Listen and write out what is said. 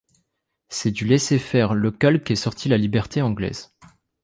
C’est du laisser-faire local qu’est sortie la liberté anglaise.